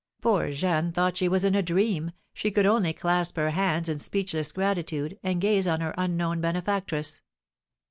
Poor Jeanne thought she was in a dream, she could only clasp her hands in speechless gratitude, and gaze on her unknown benefactress.